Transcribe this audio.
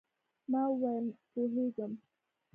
ما وویل، پوهېږم.